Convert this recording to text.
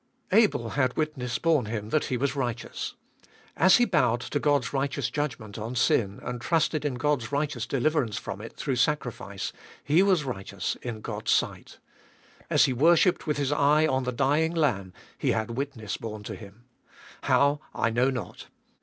7. Abel had witness borne him that he was righteous. As he bowed to God's righteous judgment on sin, and trusted In God's righteous deliverance from it through sacrifice, he was righteous In God's sight. As he worshipped with his eye on the dying lamb, he had witness borne to him. How I know not.